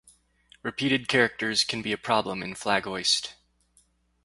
Repeated characters can be a problem in flaghoist.